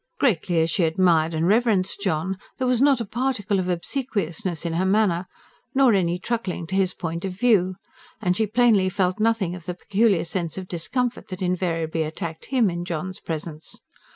Greatly as she admired and reverenced John, there was not a particle of obsequiousness in her manner, nor any truckling to his point of view; and she plainly felt nothing of the peculiar sense of discomfort that invariably attacked him, in John's presence.